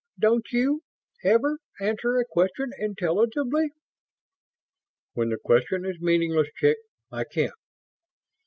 "Don't you ever answer a question intelligibly?" "When the question is meaningless, chick, I can't."